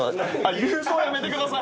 郵送やめてください！